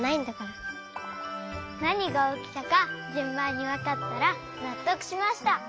なにがおきたかじゅんばんにわかったらなっとくしました。